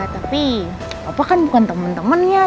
tapi papa kan bukan temen temennya